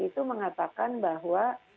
itu mengatakan bahwa